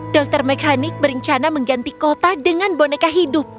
dokter mekanik berencana mengganti kota dengan boneka hidup